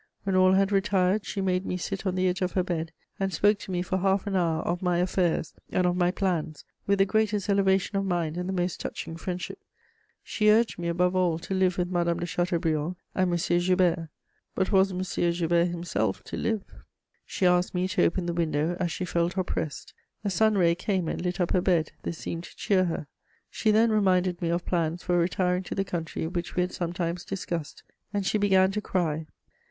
When all had retired, she made me sit on the edge of her bed and spoke to me for half an hour of my affairs and of my plans with the greatest elevation of mind and the most touching friendship; she urged me, above all, to live with Madame de Chateaubriand and M. Joubert: but was M. Joubert himself to live? She asked me to open the window, as she felt oppressed. A sun ray came and lit up her bed: this seemed to cheer her. She then reminded me of plans for retiring to the country which we had sometimes discussed, and she began to cry.